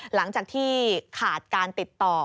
หลังจากที่ขาดการติดต่อ